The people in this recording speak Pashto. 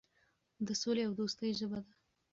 د سولې او دوستۍ ژبه ده.